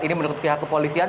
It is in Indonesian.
ini menurut pihak kepolisian